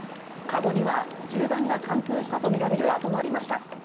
かごには銃弾が貫通したとみられる痕もありました。